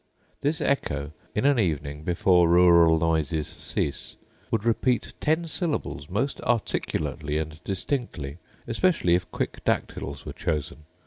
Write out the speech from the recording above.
This echo in an evening, before rural noises cease, would repeat ten syllables most articulately and distinctly, especially if quick dactyls were chosen.